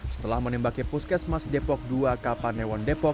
setelah menembaki puskesmas depok dua kapanewon depok